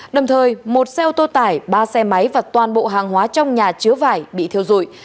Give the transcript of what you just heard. đồng thời một xe ô tô tải ba xe máy và toàn bộ hàng hóa trong nhà chứa vải bị thiêu dụi